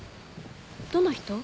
どの人？